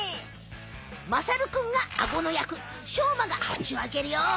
まさるくんがアゴのやくしょうまが口をあけるよ。